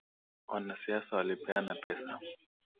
Wanasiasa walipeana pesa.